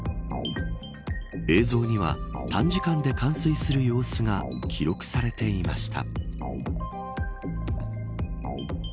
映像には短時間で冠水する様子が記録されていました。